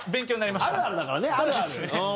あるあるだからねあるある。